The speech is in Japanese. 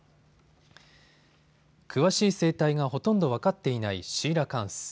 詳しい生態がほとんど分かっていないシーラカンス。